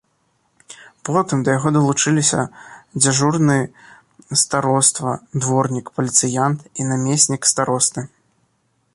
Потым да яго далучыліся дзяжурны староства, дворнік, паліцыянт і намеснік старосты.